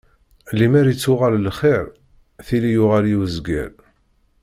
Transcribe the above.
Lemmer ittuɣal lxiṛ, tili yuɣal i uzger.